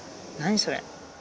何それ？